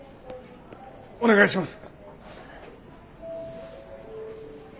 お願いします！